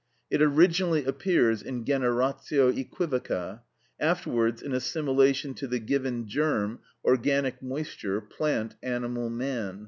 It originally appears in generatio æquivoca; afterwards in assimilation to the given germ, organic moisture, plant, animal, man.